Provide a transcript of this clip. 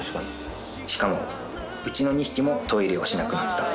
しかもうちの２匹もトイレをしなくなった。